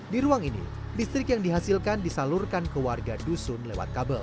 di ruang ini listrik yang dihasilkan disalurkan ke warga dusun lewat kabel